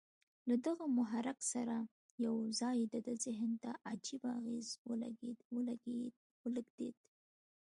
له دغه محرک سره یو ځای د ده ذهن ته عجيبه اغېز ولېږدېد